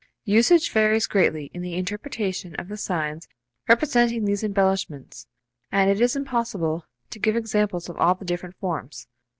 Usage varies greatly in the interpretation of the signs representing these embellishments and it is impossible to give examples of all the different forms.